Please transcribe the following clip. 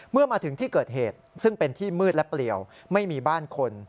เมื่อมาถึงที่เกิดเหตุซึ่งเป็นที่มืดและเปลี่ยวไม่มีบ้านคน